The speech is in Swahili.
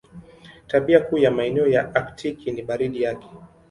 Tabia kuu ya maeneo ya Aktiki ni baridi yake.